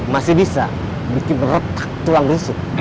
masih bisa bikin retak tulang riset